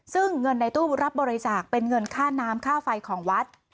ซึ่งเงินในตู้รับบริจาคเป็นเงินค่าน้ำค่าไฟของวัด